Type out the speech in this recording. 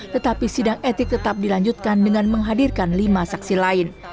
tetapi sidang etik tetap dilanjutkan dengan menghadirkan lima saksi lain